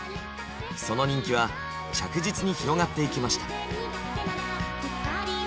その人気は着実に広がっていきました。